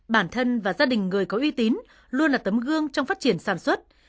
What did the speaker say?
bản thân và gia đình người có uy tín luôn là tấm gương trong phát triển sản xuất